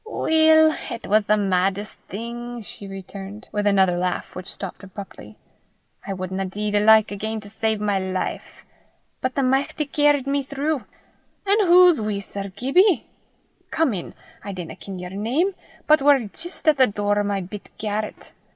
"Weel, it was the maddest thing!" she returned, with another laugh which stopped abruptly. " I wadna dee the like again to save my life. But the Michty cairried me throu'. An' hoo's wee Sir Gibbie? Come in I dinna ken yer name but we're jist at the door o' my bit garret.